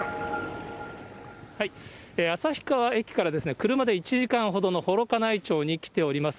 旭川駅から車で１時間ほどの幌加内町に来ております。